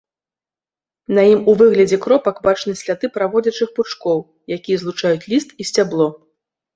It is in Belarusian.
На ім у выглядзе кропак бачны сляды праводзячых пучкоў, якія злучаюць ліст і сцябло.